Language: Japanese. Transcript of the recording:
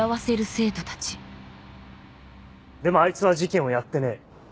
でもあいつは事件をやってねえ。